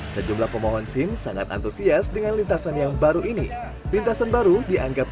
sejumlah pemohon sim sangat antusias dengan lintasan yang baru ini lintasan baru dianggap